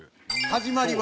始まりは？